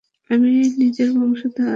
আমার নিজের বংশধর।